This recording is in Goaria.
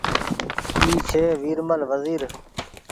اي ڇي ورمل وزير